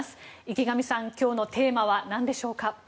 池上さん、今日のテーマは何でしょうか？